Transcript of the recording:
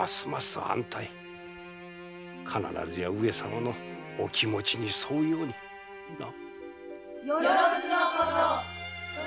必ずや上様のお気持ちに添うようにな。